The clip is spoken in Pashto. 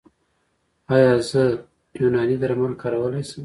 ایا زه یوناني درمل کارولی شم؟